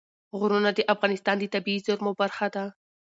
غرونه د افغانستان د طبیعي زیرمو برخه ده.